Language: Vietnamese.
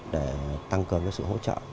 để tăng cường với sự hỗ trợ